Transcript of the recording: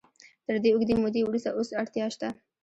تر دې اوږدې مودې وروسته اوس اړتیا شته.